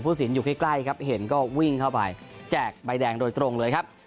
สินอยู่ใกล้ครับเห็นก็วิ่งเข้าไปแจกใบแดงโดยตรงเลยครับ